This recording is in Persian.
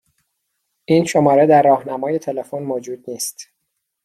این شماره در راهنمای تلفن موجود نیست.